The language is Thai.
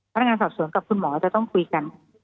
พนักงานสอบสวนกับคุณหมอจะต้องคุยกัน